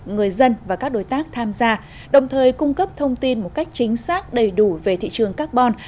người dân và các đối tác tham gia đồng thời cung cấp thông tin một cách chính xác đầy đủ về thị trường carbon